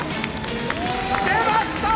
出ました